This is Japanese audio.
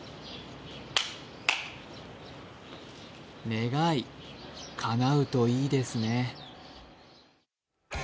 願い、かなうといいですね。